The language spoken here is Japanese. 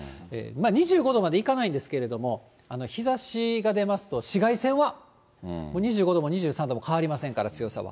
２５度までいかないんですけども、日ざしが出ますと、紫外線はもう２５度も２３度も変わりませんから、強さは。